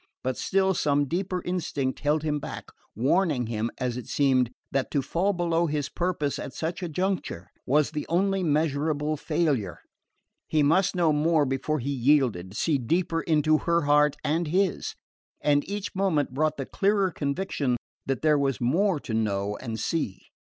But still some deeper instinct held him back, warning him, as it seemed, that to fall below his purpose at such a juncture was the only measurable failure. He must know more before he yielded, see deeper into her heart and his; and each moment brought the clearer conviction that there was more to know and see.